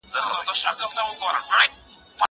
هغه څوک چي لاس مينځي روغ وي!!